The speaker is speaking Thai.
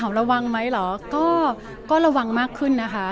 โอ้ถามระวังไหมหรอก็ก็ระวังมากขึ้นนะคะ